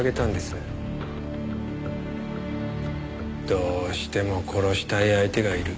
どうしても殺したい相手がいる。